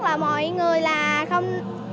là mọi người là không